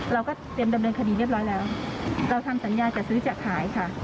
เราก็เตรียมดำเนินคดีเรียบร้อยแล้วเราทำสัญญาจัดซื้อจัดขายค่ะ